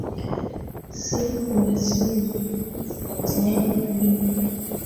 sic unasimu wataalamu ulimpa